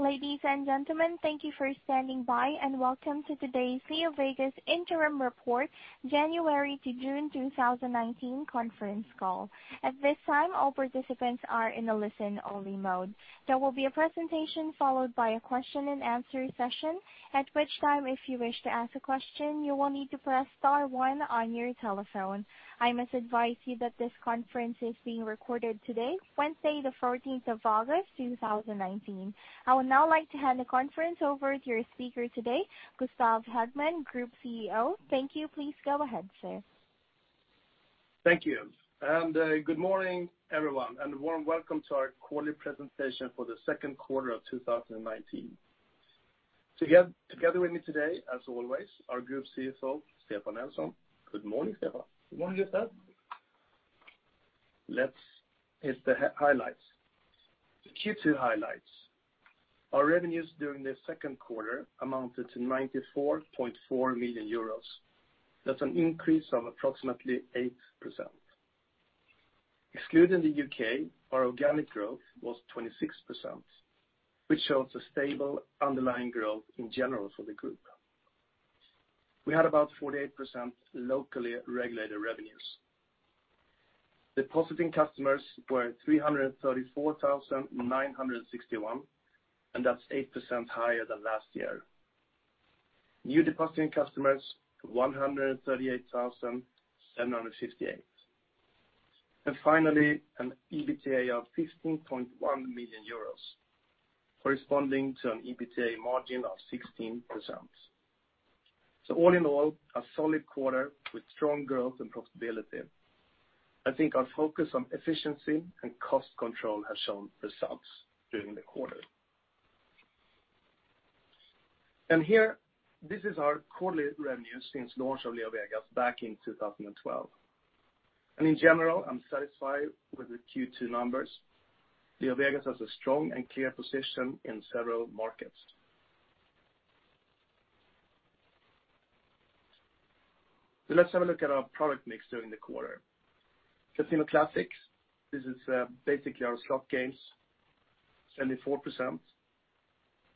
Ladies and gentlemen, thank you for standing by, and welcome to today's LeoVegas Interim Report January to June 2019 conference call. At this time, all participants are in a listen-only mode. There will be a presentation followed by a question and answer session, at which time, if you wish to ask a question, you will need to press star one on your telephone. I must advise you that this conference is being recorded today, Wednesday the 14th of August, 2019. I would now like to hand the conference over to your speaker today, Gustaf Hagman, Group CEO. Thank you. Please go ahead, sir. Thank you. Good morning, everyone, and a warm welcome to our quarterly presentation for the second quarter of 2019. Together with me today, as always, our Group CFO, Stefan Nelson. Good morning, Stefan. Good morning, Gustaf. Let's hit the highlights. The Q2 highlights. Our revenues during the second quarter amounted to 94.4 million euros. That's an increase of approximately 8%. Excluding the U.K., our organic growth was 26%, which shows a stable underlying growth in general for the group. We had about 48% locally regulated revenues. Depositing customers were 334,961. That's 8% higher than last year. New depositing customers, 138,758. An EBITDA of 15.1 million euros, corresponding to an EBITDA margin of 16%. All in all, a solid quarter with strong growth and profitability. I think our focus on efficiency and cost control has shown results during the quarter. Here, this is our quarterly revenue since launch of LeoVegas back in 2012. In general, I'm satisfied with the Q2 numbers. LeoVegas has a strong and clear position in several markets. Let's have a look at our product mix during the quarter. Casino classics, this is basically our slot games, 74%.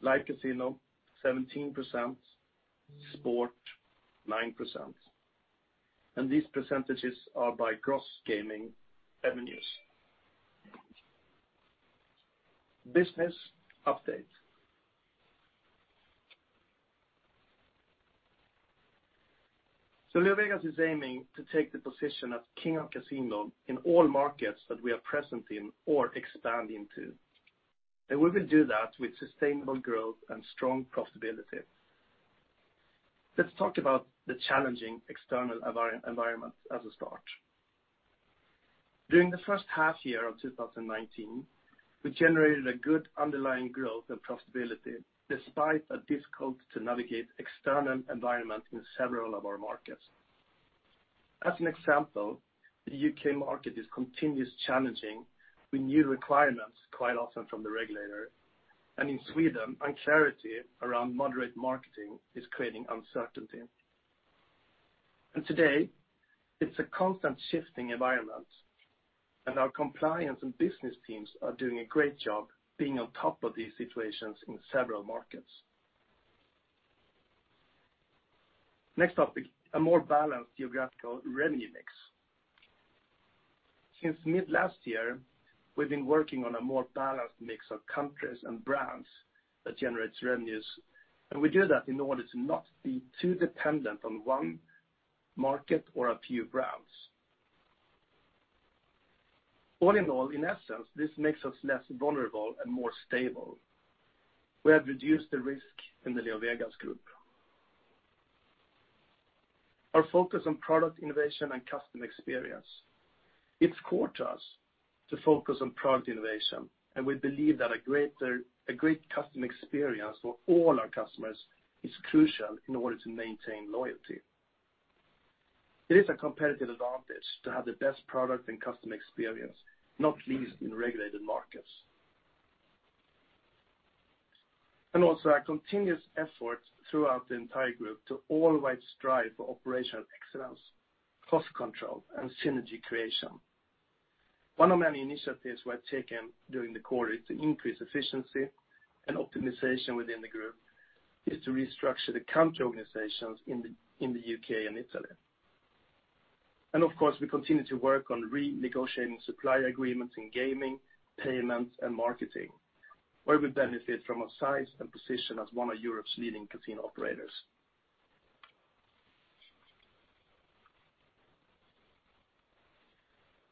Live casino, 17%. Sport, 9%. These percentages are by gross gaming revenues. Business update. LeoVegas is aiming to take the position of king of casino in all markets that we are present in or expand into. We will do that with sustainable growth and strong profitability. Let's talk about the challenging external environment as a start. During the first half year of 2019, we generated a good underlying growth and profitability, despite a difficult-to-navigate external environment in several of our markets. As an example, the U.K. market is continuously challenging with new requirements quite often from the regulator, and in Sweden, unclarity around måttfull marknadsföring is creating uncertainty. Today, it's a constant shifting environment, and our compliance and business teams are doing a great job being on top of these situations in several markets. Next topic, a more balanced geographical revenue mix. Since mid last year, we've been working on a more balanced mix of countries and brands that generates revenues, and we do that in order to not be too dependent on one market or a few brands. All in all, in essence, this makes us less vulnerable and more stable. We have reduced the risk in the LeoVegas Group. Our focus on product innovation and customer experience. It's core to us to focus on product innovation, and we believe that a great customer experience for all our customers is crucial in order to maintain loyalty. It is a competitive advantage to have the best product and customer experience, not least in regulated markets. Also our continuous effort throughout the entire group to always strive for operational excellence, cost control, and synergy creation. One of many initiatives we have taken during the quarter to increase efficiency and optimization within the group is to restructure the country organizations in the U.K. and Italy. Of course, we continue to work on renegotiating supplier agreements in gaming, payments, and marketing, where we benefit from our size and position as one of Europe's leading casino operators.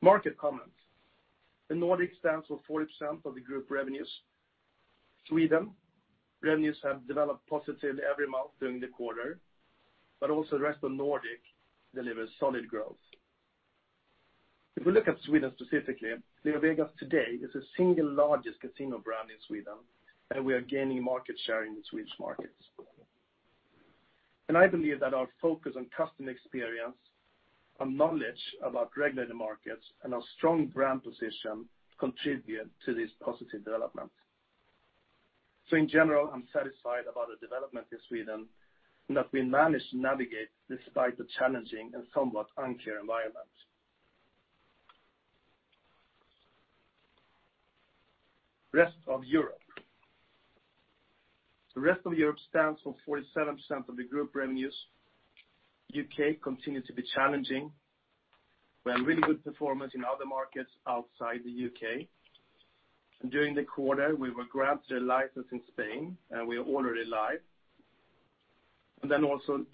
Market comment. The Nordic stands for 40% of the group revenues. Sweden revenues have developed positively every month during the quarter, but also the rest of Nordic delivers solid growth. If we look at Sweden specifically, LeoVegas today is the single largest casino brand in Sweden, and we are gaining market share in the Swedish markets. I believe that our focus on customer experience and knowledge about regulated markets and our strong brand position contribute to this positive development. In general, I am satisfied about the development in Sweden, and that we managed to navigate despite the challenging and somewhat unclear environment. Rest of Europe. The Rest of Europe stands for 47% of the group revenues. U.K. continues to be challenging. We have really good performance in other markets outside the U.K. During the quarter, we were granted a license in Spain, and we are already live. Also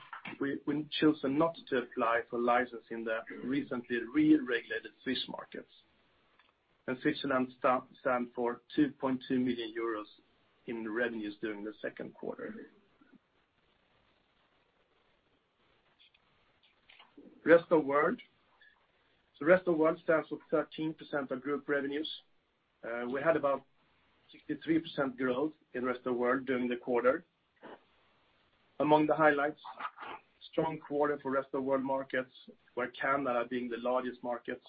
we chosen not to apply for license in the recently re-regulated Swiss markets. Switzerland stand for €2.2 million in revenues during the second quarter. Rest of World. Rest of World stands for 13% of group revenues. We had about 63% growth in Rest of World during the quarter. Among the highlights, strong quarter for Rest of World markets, where Canada being the largest markets,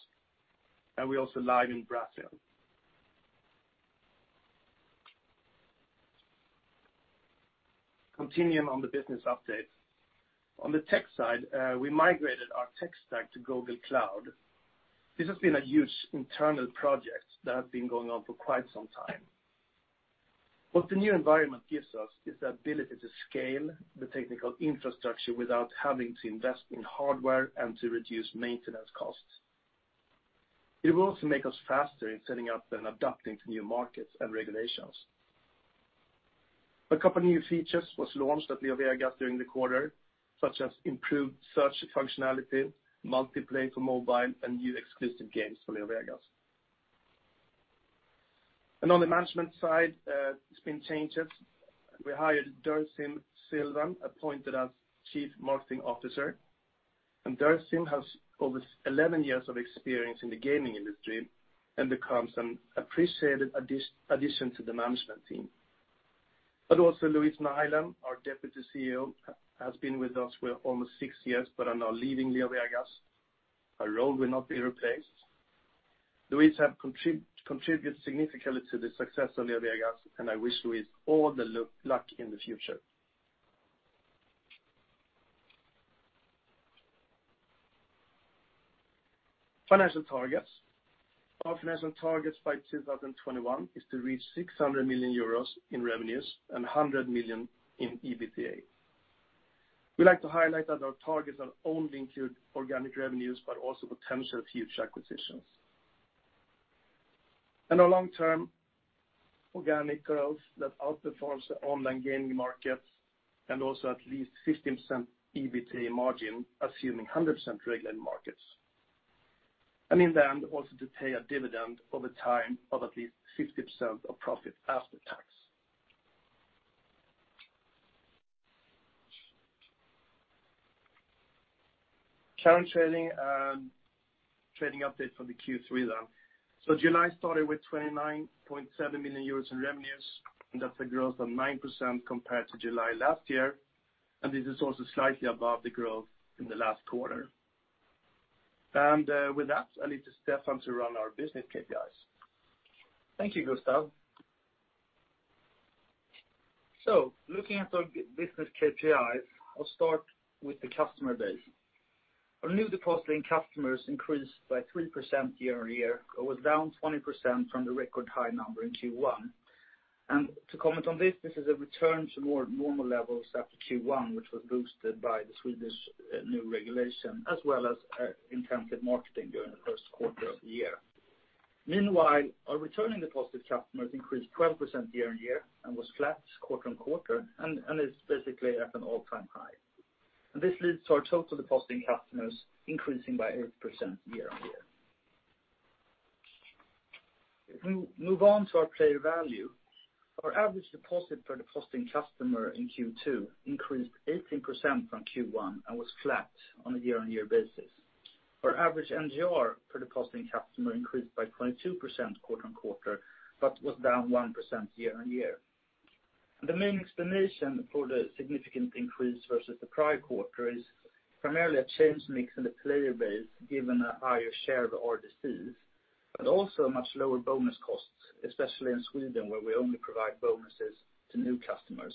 and we are also live in Brazil. Continuing on the business update. On the tech side, we migrated our tech stack to Google Cloud. This has been a huge internal project that has been going on for quite some time. What the new environment gives us is the ability to scale the technical infrastructure without having to invest in hardware and to reduce maintenance costs. It will also make us faster in setting up and adapting to new markets and regulations. A couple of new features was launched at LeoVegas during the quarter, such as improved search functionality, multi-play for mobile, and new exclusive games for LeoVegas. On the management side, there's been changes. We hired Dersim Sylwan, appointed as Chief Marketing Officer, and Dersim has over 11 years of experience in the gaming industry and becomes an appreciated addition to the management team. Also Louise Nylén, our Deputy CEO, has been with us for almost six years but are now leaving LeoVegas. Her role will not be replaced. Louise have contributed significantly to the success of LeoVegas, and I wish Louise all the luck in the future. Financial targets. Our financial targets by 2021 is to reach 600 million euros in revenues and 100 million in EBITDA. We'd like to highlight that our targets not only include organic revenues, but also potential future acquisitions. Our long-term organic growth that outperforms the online gaming markets and also at least 50% EBITDA margin, assuming 100% regulated markets. In the end, also to pay a dividend over time of at least 50% of profit after tax. Current trading update for the Q3 then. July started with 29.7 million euros in revenues, and that's a growth of 9% compared to July last year. This is also slightly above the growth in the last quarter. With that, I leave to Stefan to run our business KPIs. Thank you, Gustaf. Looking at our business KPIs, I'll start with the customer base. Our new depositing customers increased by 3% year-on-year, but was down 20% from the record high number in Q1. To comment on this is a return to more normal levels after Q1, which was boosted by the Swedish new regulation, as well as intensive marketing during the first quarter of the year. Meanwhile, our returning deposited customers increased 12% year-on-year and was flat quarter-on-quarter and is basically at an all-time high. This leads to our total depositing customers increasing by 8% year-on-year. If we move on to our player value, our average deposit per depositing customer in Q2 increased 18% from Q1 and was flat on a year-on-year basis. Our average MGR per depositing customer increased by 22% quarter-on-quarter, but was down 1% year-on-year. The main explanation for the significant increase versus the prior quarter is primarily a change mix in the player base, given a higher share of the RDCs, but also a much lower bonus cost, especially in Sweden, where we only provide bonuses to new customers.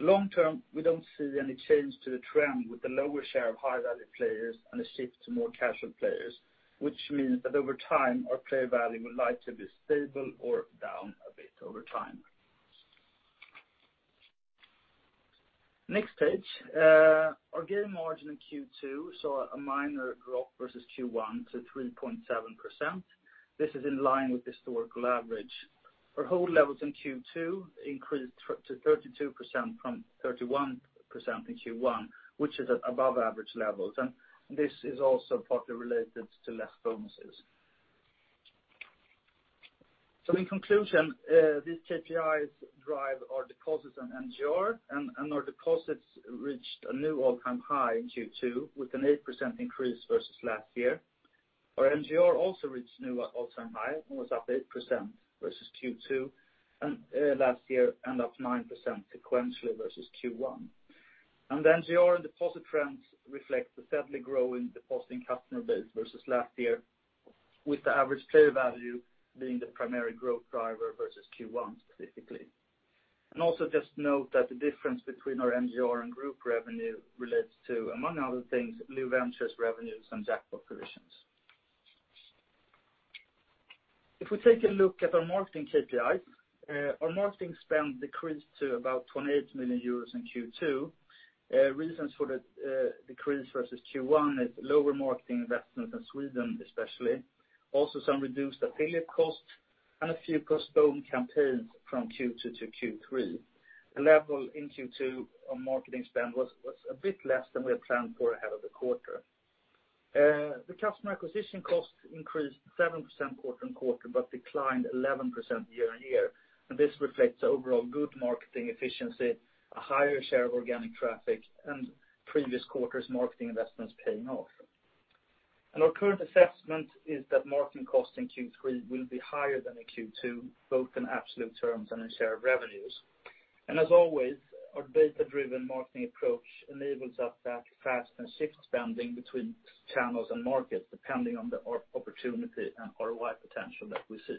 Long-term, we don't see any change to the trend with the lower share of high-value players and a shift to more casual players, which means that over time, our player value will likely be stable or down a bit over time. Next page. Our gaming margin in Q2, a minor drop versus Q1 to 3.7%. This is in line with historical average. Our hold levels in Q2 increased to 32% from 31% in Q1, which is at above average levels, and this is also partly related to less bonuses. In conclusion, these KPIs drive our deposits and MGR. Our deposits reached a new all-time high in Q2 with an 8% increase versus last year. Our MGR also reached new all-time high and was up 8% versus Q2 last year and up 9% sequentially versus Q1. The MGR and deposit trends reflect the steadily growing depositing customer base versus last year, with the average player value being the primary growth driver versus Q1 specifically. Also just note that the difference between our MGR and group revenue relates to, among other things, LeoVentures revenues and jackpot provisions. If we take a look at our marketing KPIs, our marketing spend decreased to about 28 million euros in Q2. Reasons for the decrease versus Q1 is lower marketing investment in Sweden especially. Some reduced affiliate costs and a few postponed campaigns from Q2 to Q3. The level in Q2 on marketing spend was a bit less than we had planned for ahead of the quarter. The customer acquisition costs increased 7% quarter-on-quarter, but declined 11% year-on-year, and this reflects overall good marketing efficiency, a higher share of organic traffic, and previous quarters marketing investments paying off. Our current assessment is that marketing costs in Q3 will be higher than in Q2, both in absolute terms and in share of revenues. As always, our data-driven marketing approach enables us that fast and shift spending between channels and markets depending on the opportunity and ROI potential that we see.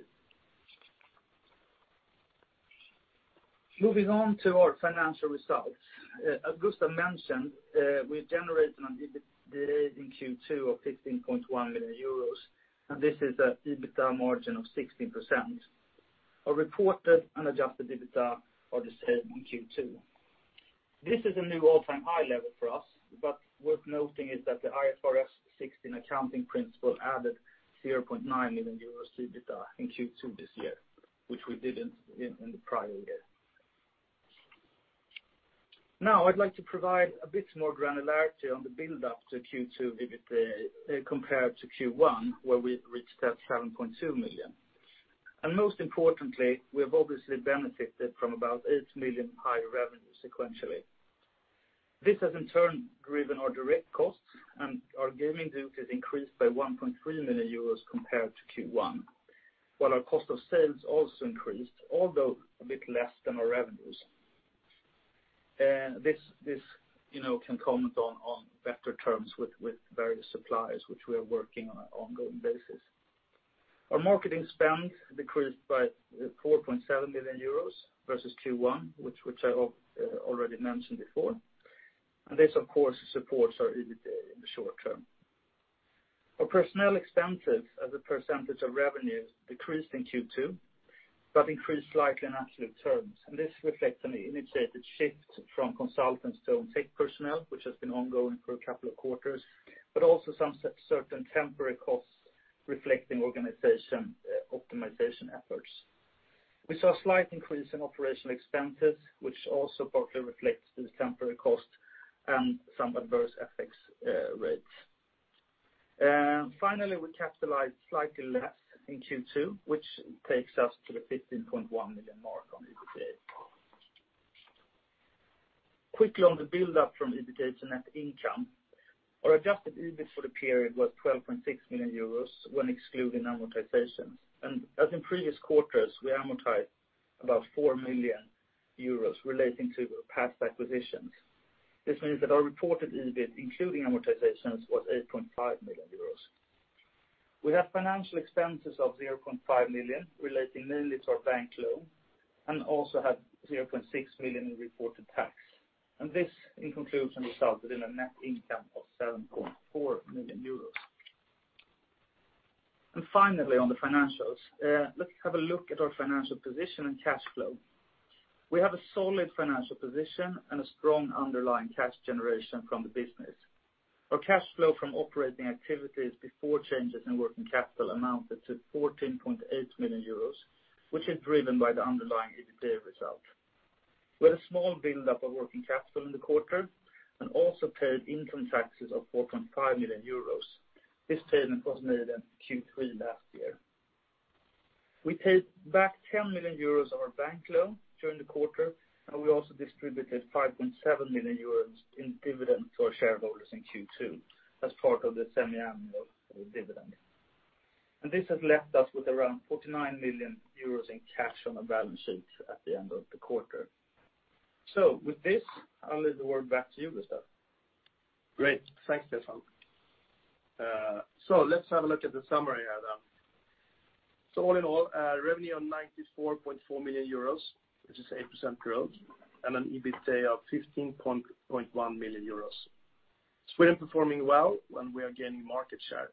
Moving on to our financial results. As Gustaf mentioned, we had generated an EBITDA in Q2 of 15.1 million euros, this is a EBITDA margin of 16%. Our reported and adjusted EBITDA are the same in Q2. This is a new all-time high level for us, worth noting is that the IFRS 16 accounting principle added 0.9 million euros to EBITDA in Q2 this year, which we didn't in the prior year. Now I'd like to provide a bit more granularity on the buildup to Q2 EBITDA compared to Q1, where we reached that 7.2 million. Most importantly, we have obviously benefited from about 8 million higher revenue sequentially. This has in turn driven our direct costs, our gaming duty increased by 1.3 million euros compared to Q1. While our cost of sales also increased, although a bit less than our revenues. This can comment on better terms with various suppliers, which we are working on an ongoing basis. Our marketing spend decreased by 4.7 million euros versus Q1, which I already mentioned before. This of course supports our EBITDA in the short term. Our personnel expenses as a percentage of revenue decreased in Q2, but increased slightly in absolute terms. This reflects an initiated shift from consultants to own tech personnel, which has been ongoing for a couple of quarters, but also some certain temporary costs reflecting organization optimization efforts. We saw a slight increase in operational expenses, which also partly reflects the temporary cost and some adverse FX rates. Finally, we capitalized slightly less in Q2, which takes us to the 15.1 million mark on EBITDA. Quickly on the buildup from EBITDA to net income. Our adjusted EBIT for the period was 12.6 million euros when excluding amortizations, and as in previous quarters, we amortized about 4 million euros relating to past acquisitions. This means that our reported EBIT, including amortizations, was 8.5 million euros. We have financial expenses of 0.5 million relating mainly to our bank loan, and also had 0.6 million in reported tax. This, in conclusion, resulted in a net income of 7.4 million euros. Finally, on the financials. Let's have a look at our financial position and cash flow. We have a solid financial position and a strong underlying cash generation from the business. Our cash flow from operating activities before changes in working capital amounted to 14.8 million euros, which is driven by the underlying EBITDA result. We had a small buildup of working capital in the quarter and also paid income taxes of 4.5 million euros. This payment was made in Q3 last year. We paid back 10 million euros of our bank loan during the quarter, and we also distributed 5.7 million euros in dividends to our shareholders in Q2 as part of the semi-annual dividend. This has left us with around 49 million euros in cash on the balance sheet at the end of the quarter. With this, I'll leave the word back to you, Gustaf. Great. Thanks, Stefan. Let's have a look at the summary item. All in all, revenue on 94.4 million euros, which is 8% growth, and an EBITDA of 15.1 million euros. Sweden performing well and we are gaining market share.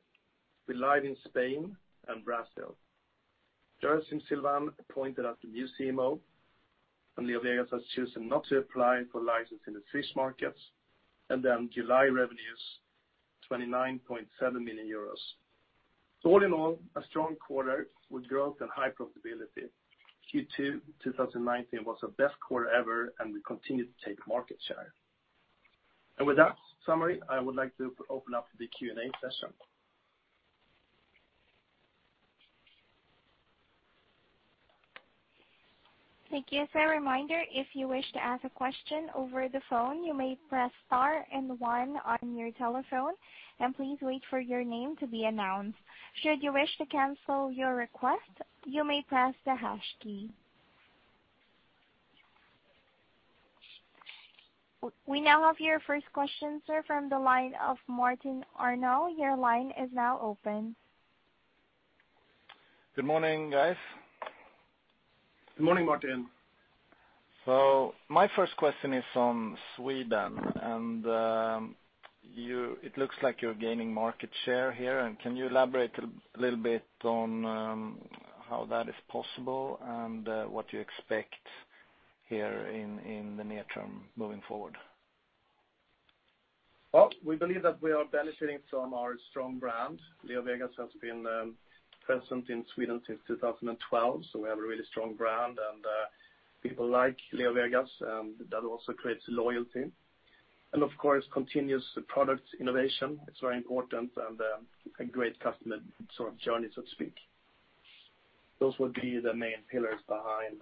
We led in Spain and Brazil. Dersim Sylwan appointed as the new CMO, and LeoVegas has chosen not to apply for license in the Swiss markets. July revenues, 29.7 million euros. All in all, a strong quarter with growth and high profitability. Q2 2019 was our best quarter ever, and we continue to take market share. With that summary, I would like to open up the Q&A session. Thank you. As a reminder, if you wish to ask a question over the phone, you may press star and one on your telephone, and please wait for your name to be announced. Should you wish to cancel your request, you may press the hash key. We now have your first question, sir, from the line of Martin Arnold. Your line is now open. Good morning, guys. Good morning, Martin. My first question is on Sweden, and it looks like you're gaining market share here. Can you elaborate a little bit on how that is possible and what you expect here in the near term moving forward? We believe that we are benefiting from our strong brand. LeoVegas has been present in Sweden since 2012, so we have a really strong brand, and people like LeoVegas, and that also creates loyalty. Of course, continuous product innovation, it's very important, and a great customer sort of journey, so to speak. Those would be the main pillars behind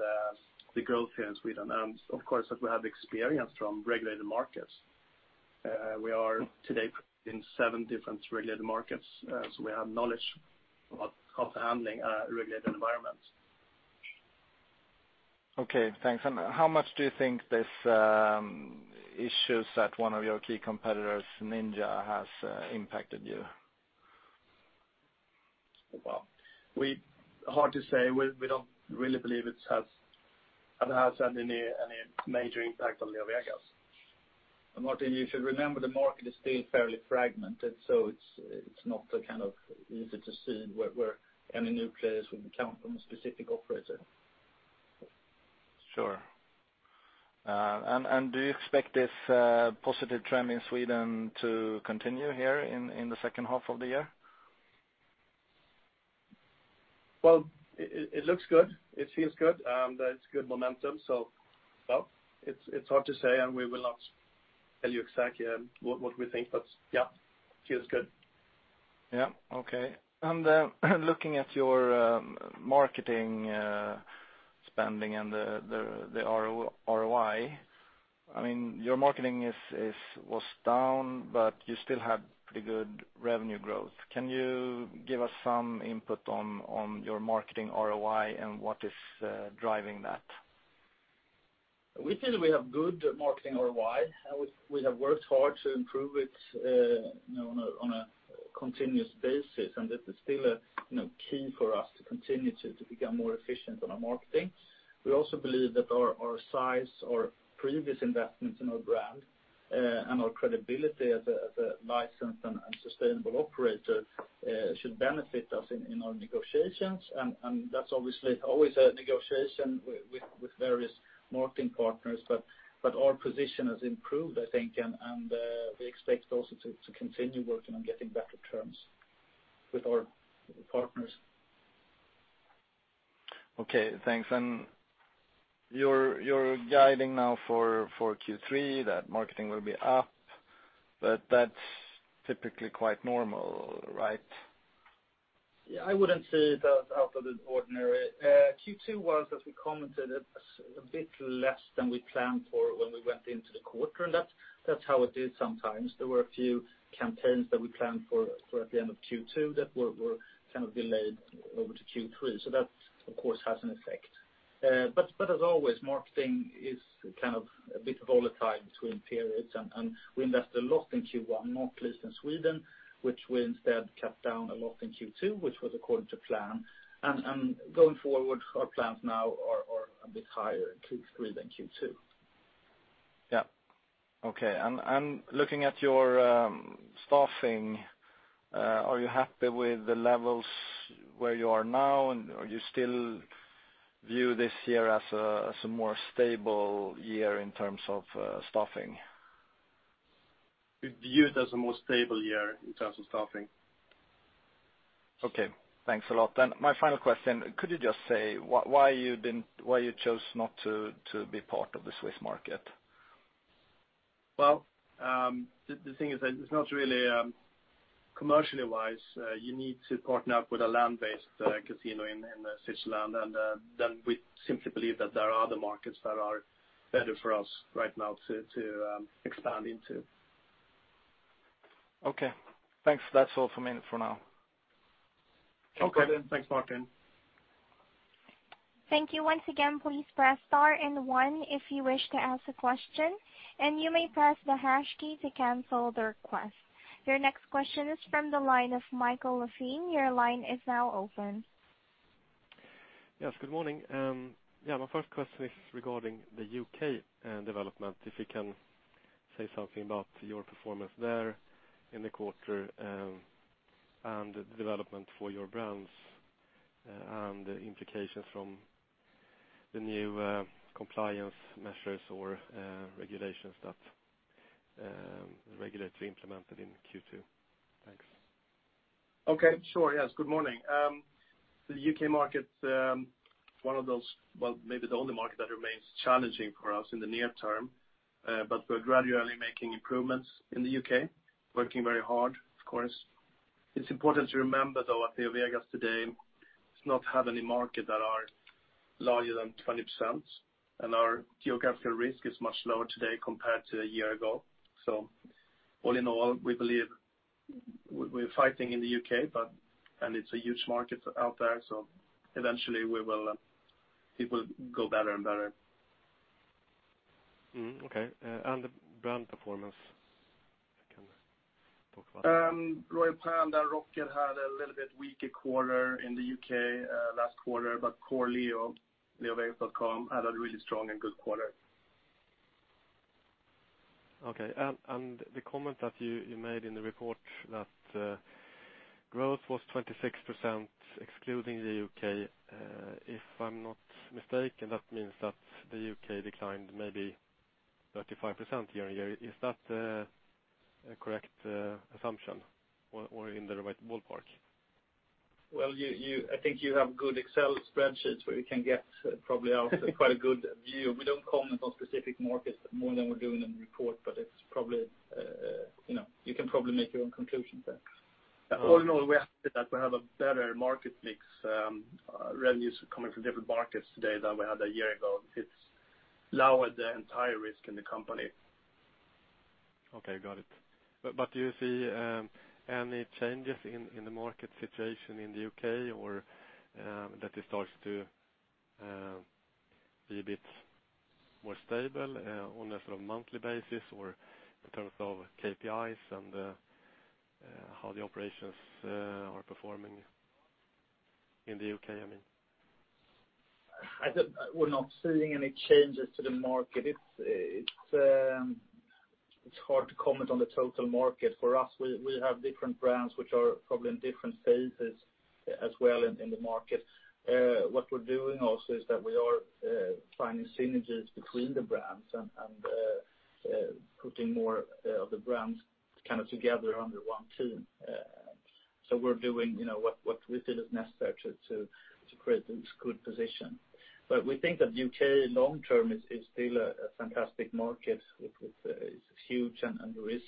the growth here in Sweden. Of course, that we have experience from regulated markets. We are today in seven different regulated markets, so we have knowledge of handling a regulated environment. Okay, thanks. How much do you think these issues that one of your key competitors, Ninja, has impacted you? Well, hard to say. We don't really believe it has had any major impact on LeoVegas. Martin, you should remember the market is still fairly fragmented, so it's not kind of easy to see where any new players would come from a specific operator. Sure. Do you expect this positive trend in Sweden to continue here in the second half of the year? Well, it looks good, it feels good, and it's good momentum. Well, it's hard to say, and we will not tell you exactly what we think. Yeah, it feels good. Yeah. Okay. Looking at your marketing spending and the ROI, your marketing was down, but you still had pretty good revenue growth. Can you give us some input on your marketing ROI and what is driving that? We feel we have good marketing ROI. We have worked hard to improve it on a continuous basis. It is still a key for us to continue to become more efficient on our marketing. We also believe that our size, our previous investments in our brand, and our credibility as a licensed and sustainable operator should benefit us in our negotiations. That's obviously always a negotiation with various marketing partners. Our position has improved, I think, and we expect also to continue working on getting better terms with our partners. Okay, thanks. You're guiding now for Q3 that marketing will be up, but that's typically quite normal, right? Yeah, I wouldn't say that's out of the ordinary. Q2 was, as we commented, a bit less than we planned for when we went into the quarter, and that's how it is sometimes. There were a few campaigns that we planned for at the end of Q2 that were kind of delayed over to Q3, so that, of course, has an effect. As always, marketing is kind of a bit volatile between periods, and we invested a lot in Q1, more or less in Sweden, which we instead cut down a lot in Q2, which was according to plan. Going forward, our plans now are a bit higher in Q3 than Q2. Yeah. Okay. Looking at your staffing, are you happy with the levels where you are now, and you still view this year as a more stable year in terms of staffing? We view it as a more stable year in terms of staffing. Okay. Thanks a lot. My final question, could you just say why you chose not to be part of the Swiss market? Well, the thing is that it's not really commercially wise. You need to partner up with a land-based casino in Switzerland. We simply believe that there are other markets that are better for us right now to expand into. Okay, thanks. That's all from me for now. Okay. Thanks, Martin. Thank you once again. Please press star and one if you wish to ask a question, and you may press the hash key to cancel the request. Your next question is from the line of Michael Raffin. Your line is now open. Yes, good morning. Yeah, my first question is regarding the U.K. development. If you can say something about your performance there in the quarter, and the development for your brands, and the implications from the new compliance measures or regulations that were regulated to be implemented in Q2. Thanks. Okay, sure. Yes, good morning. The U.K. market, one of those, well, maybe the only market that remains challenging for us in the near term. We're gradually making improvements in the U.K., working very hard, of course. It's important to remember, though, that LeoVegas today does not have any market that are larger than 20%, and our geographical risk is much lower today compared to a year ago. All in all, we believe we're fighting in the U.K., and it's a huge market out there. Eventually it will go better and better. Okay. The brand performance, can you talk about it? Royal Panda and Rocket X had a little bit weaker quarter in the U.K. last quarter. Core Leo, leovegas.com, had a really strong and good quarter. Okay. The comment that you made in the report that growth was 26% excluding the U.K., if I'm not mistaken, that means that the U.K. declined maybe 35% year-on-year. Is that a correct assumption or in the right ballpark? Well, I think you have good Excel spreadsheets where you can get probably out quite a good view. We don't comment on specific markets more than we do in the report. You can probably make your own conclusions there. All in all, we are happy that we have a better market mix, revenues coming from different markets today than we had a year ago. It's lowered the entire risk in the company. Okay, got it. Do you see any changes in the market situation in the U.K., or that it starts to be a bit more stable on a monthly basis or in terms of KPIs and how the operations are performing in the U.K.? We're not seeing any changes to the market. It's hard to comment on the total market. For us, we have different brands which are probably in different phases as well in the market. What we're doing also is that we are finding synergies between the brands and putting more of the brands together under one team. We're doing what we feel is necessary to create this good position. We think that U.K. long term is still a fantastic market. It's huge, and there is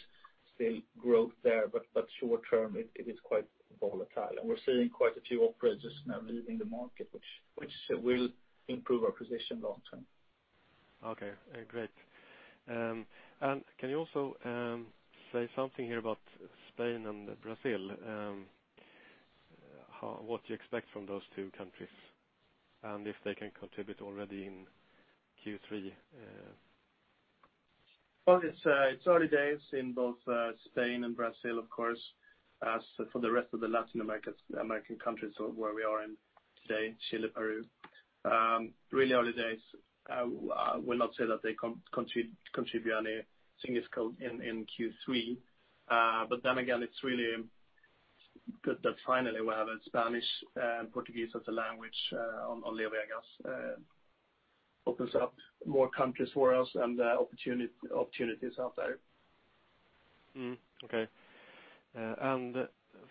still growth there, but short term, it is quite volatile. We're seeing quite a few operators now leaving the market, which will improve our position long term. Okay, great. Can you also say something here about Spain and Brazil? What you expect from those two countries, and if they can contribute already in Q3? Well, it's early days in both Spain and Brazil, of course, as for the rest of the Latin American countries where we are in today, Chile, Peru. Really early days. I will not say that they contribute any single scope in Q3. It's really good that finally we have Spanish and Portuguese as a language on LeoVegas. It opens up more countries for us and opportunities out there. Okay.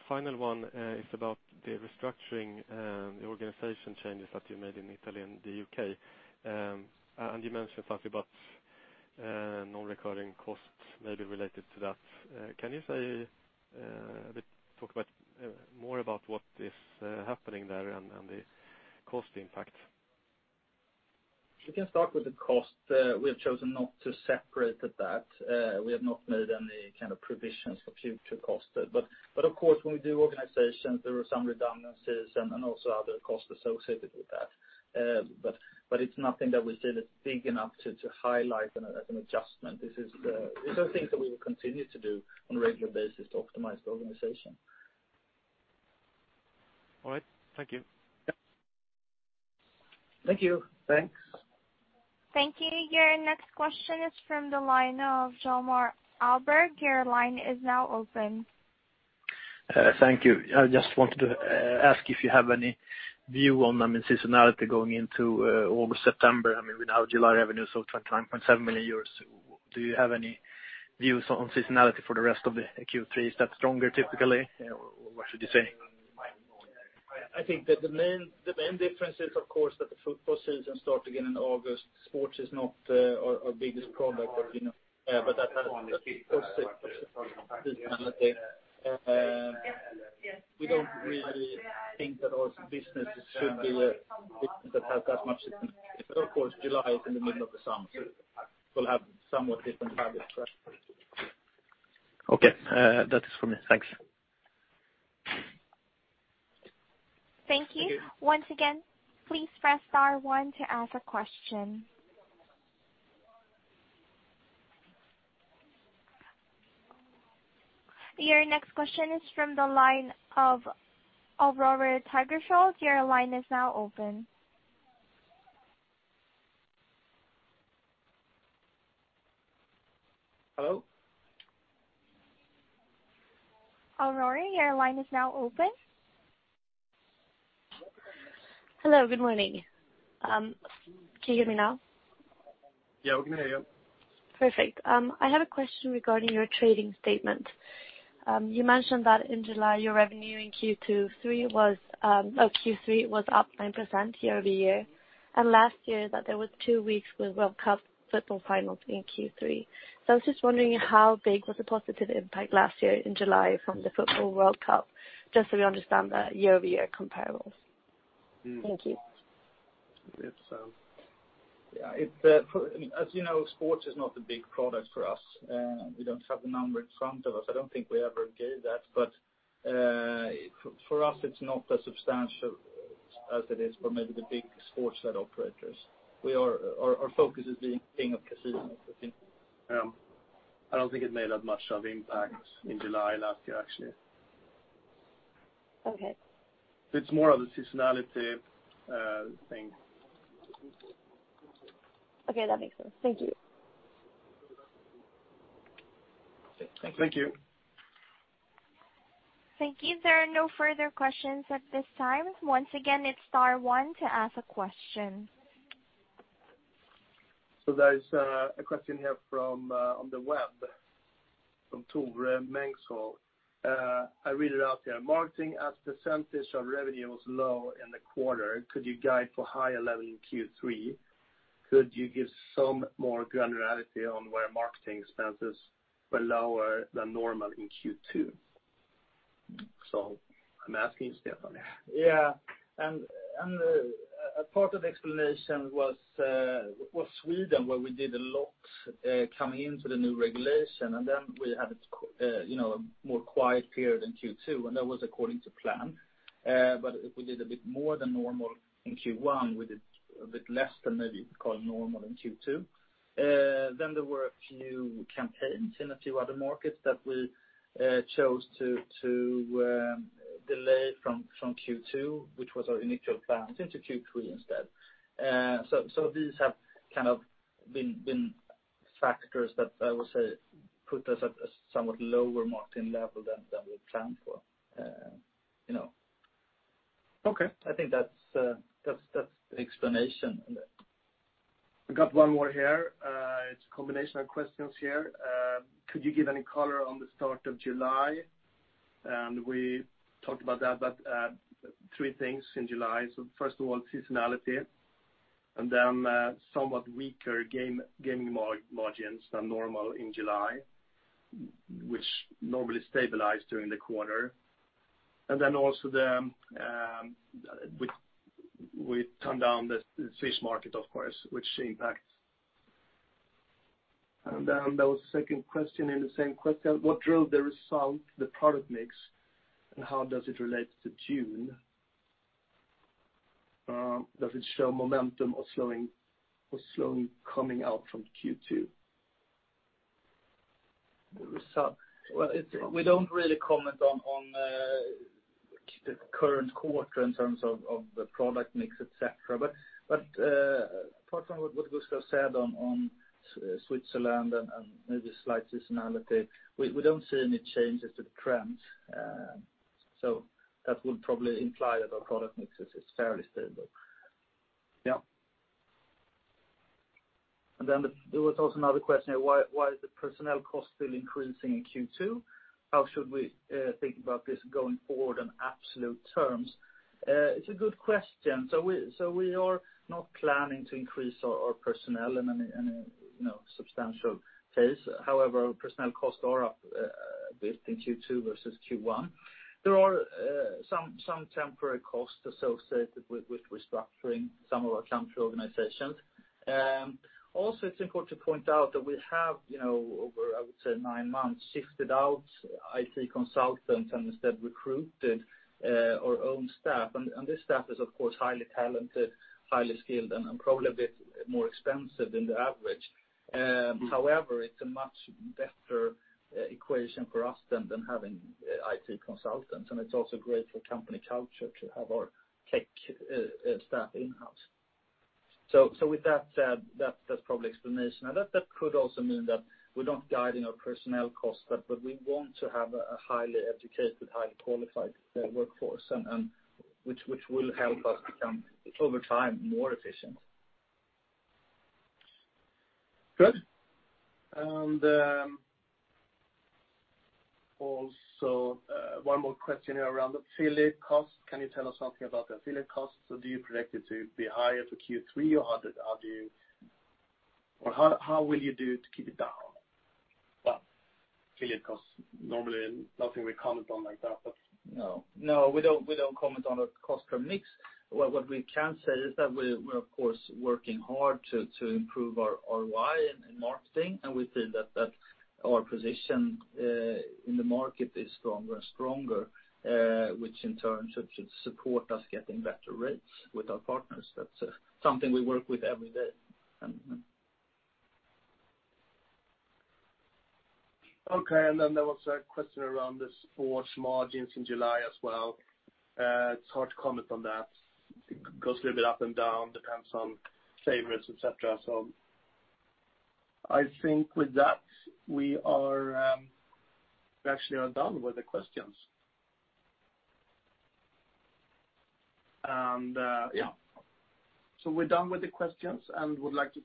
Final one is about the restructuring, the organization changes that you made in Italy and the U.K. You mentioned something about non-recurring costs maybe related to that. Can you talk more about what is happening there and the cost impact? We can start with the cost. We have chosen not to separate that. We have not made any kind of provisions for future costs. Of course, when we do organizations, there are some redundancies and also other costs associated with that. It's nothing that we feel is big enough to highlight as an adjustment. These are things that we will continue to do on a regular basis to optimize the organization. All right. Thank you. Yeah. Thank you. Thanks. Thank you. Your next question is from the line of Hjalmar Ahlberg. Your line is now open. Thank you. I just wanted to ask if you have any view on seasonality going into August, September. We now have July revenues of 29.7 million euros. Do you have any views on seasonality for the rest of the Q3? Is that stronger typically, or what should you say? I think that the main difference is, of course, that the football season start again in August. Sports is not our biggest product, but that's seasonality. We don't really think that our businesses should be a business that has that much seasonality. Of course, July is in the middle of the summer. We'll have somewhat different habits then. Okay. That is for me. Thanks. Thank you. Once again, please press star one to ask a question. Your next question is from the line of Aurora Tegershool. Your line is now open. Hello? Aurora, your line is now open. Hello, good morning. Can you hear me now? Yeah, we can hear you. Perfect. I have a question regarding your trading statement. You mentioned that in July, your revenue in Q3 was up 9% year-over-year, and last year that there was two weeks with World Cup football finals in Q3. I was just wondering how big was the positive impact last year in July from the Football World Cup, just so we understand the year-over-year comparables. Thank you. If so. Yeah. As you know, sports is not a big product for us. We don't have the number in front of us. I don't think we ever gave that. For us, it's not as substantial as it is for maybe the big sports operators. Our focus is the thing of casino, I think. Yeah. I don't think it made that much of impact in July last year, actually. Okay. It's more of a seasonality thing. Okay, that makes sense. Thank you. Okay. Thank you. Thank you. Thank you. There are no further questions at this time. Once again, it's star one to ask a question. There's a question here from, on the web, from Tore Mengshoel. I read it out here. Marketing as % of revenue was low in the quarter. Could you guide for higher level in Q3? Could you give some more granularity on where marketing expenses were lower than normal in Q2? I'm asking Stefan. Yeah. A part of the explanation was Sweden, where we did a lot coming into the new regulation, and then we had a more quiet period in Q2, and that was according to plan. We did a bit more than normal in Q1. We did a bit less than maybe you could call normal in Q2. There were a few campaigns in a few other markets that we chose to delay from Q2, which was our initial plan, into Q3 instead. These have kind of been factors that I would say put us at a somewhat lower marketing level than we planned for. Okay. I think that's the explanation. I got one more here. It's a combination of questions here. Could you give any color on the start of July? We talked about that, three things in July. First of all, seasonality, somewhat weaker gaming margins than normal in July, which normally stabilize during the quarter. We turned down the Swiss market, of course, which impacts. There was a second question in the same question. What drove the result, the product mix, and how does it relate to June? Does it show momentum or slowing coming out from Q2? Well, we don't really comment on the current quarter in terms of the product mix, et cetera. Apart from what Gustaf said on Switzerland and maybe slight seasonality, we don't see any changes to the trends. That would probably imply that our product mix is fairly stable. Yeah. There was also another question here. Why is the personnel cost still increasing in Q2? How should we think about this going forward on absolute terms? It's a good question. We are not planning to increase our personnel in any substantial case. However, personnel costs are up a bit in Q2 versus Q1. There are some temporary costs associated with restructuring some of our country organizations. It's important to point out that we have, over, I would say nine months, shifted out IT consultants and instead recruited our own staff. This staff is, of course, highly talented, highly skilled, and probably a bit more expensive than the average. However, it's a much better equation for us than having IT consultants. It's also great for company culture to have our tech staff in-house. With that said, that's probably explanation. That could also mean that we're not guiding our personnel costs, but we want to have a highly educated, highly qualified workforce, and which will help us become, over time, more efficient. Good. Also, one more question here around the affiliate cost. Can you tell us something about the affiliate cost? Do you predict it to be higher for Q3, or how will you do to keep it down? Well, affiliate cost, normally nothing we comment on like that. No. We don't comment on a cost per mix. What we can say is that we're of course working hard to improve our ROI in marketing, and we feel that our position in the market is stronger and stronger, which in turn should support us getting better rates with our partners. That's something we work with every day. Okay, then there was a question around the sports margins in July as well. It's hard to comment on that. It goes a little bit up and down, depends on favorites, et cetera. I think with that, we actually are done with the questions. Yeah. We're done with the questions and would like to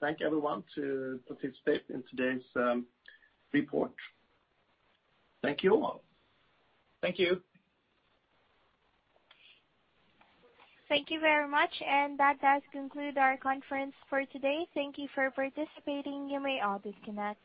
thank everyone to participate in today's report. Thank you. Thank you. Thank you very much. That does conclude our conference for today. Thank you for participating. You may all disconnect.